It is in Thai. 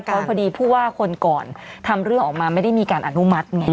เพราะพอดีผู้ว่าคนก่อนทำเรื่องออกมาไม่ได้มีการอนุมัติไง